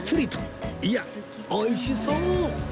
いや美味しそう！